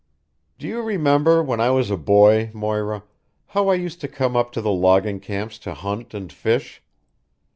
"Do you remember when I was a boy, Moira, how I used to come up to the logging camps to hunt and fish?